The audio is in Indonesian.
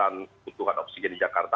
dan kebutuhan oksigen di jakarta